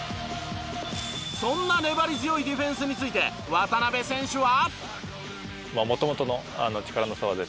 そんな粘り強いディフェンスについて渡邊選手は。